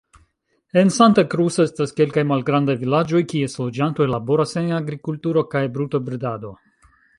En Santa Cruz estas kelkaj malgrandaj vilaĝoj, kies loĝantoj laboras en agrikulturo kaj brutobredado.